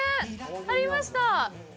ありました！